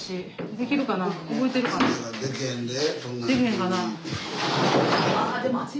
できへんかな？